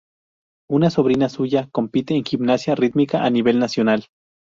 Una sobrina suya compite en gimnasia rítmica a nivel nacional.